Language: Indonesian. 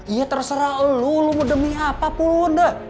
iya terserah lu lu mau demi apapun dah